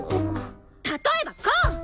例えばこう！